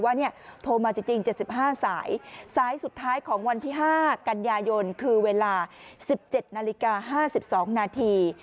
ว่าเนี่ยโทรมาจริง๗๕สายสายสุดท้ายของวันที่๕กันยายนคือเวลา๑๗นาฬิกา๕๒นาที